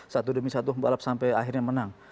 satu demi satu pembalap sampai akhirnya menang